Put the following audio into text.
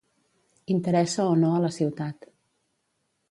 Interessa o no a la ciutat